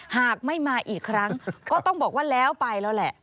หากไม่มาอีกครั้งก็ต้องบอกว่าแล้วไปแล้วแหละ